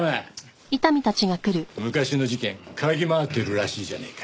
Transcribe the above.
昔の事件嗅ぎ回ってるらしいじゃねえか。